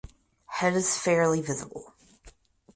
Head is fairly visible.